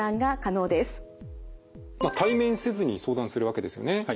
対面せずに相談するわけですよね。